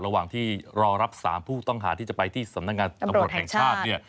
ระหว่างที่รอรับ๓ผู้ต้องหาที่จะไปที่สำนักงานตำรวจแห่งชาติเนี่ย